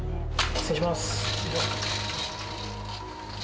失礼します。